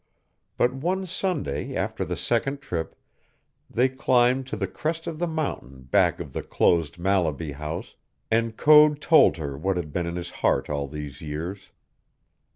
But one Sunday after the second trip they climbed to the crest of the mountain back of the closed Mallaby House, and Code told her what had been in his heart all these years.